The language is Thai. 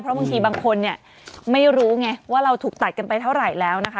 บางทีบางคนเนี่ยไม่รู้ไงว่าเราถูกตัดกันไปเท่าไหร่แล้วนะคะ